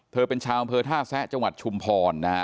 เธอเป็นชาวอำเภอท่าแซะจังหวัดชุมพรนะฮะ